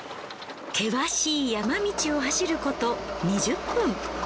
険しい山道を走ること２０分。